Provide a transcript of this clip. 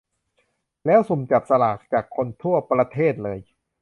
แล้วสุ่มจับสลากจากคนทั่วประเทศเลย